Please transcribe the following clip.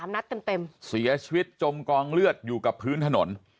นัดเต็มเสียชีวิตจมกองเลือดอยู่กับพื้นถนน